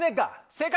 正解。